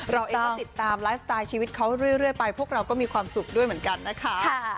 เราเองก็ติดตามไลฟ์สไตล์ชีวิตเขาเรื่อยไปพวกเราก็มีความสุขด้วยเหมือนกันนะคะ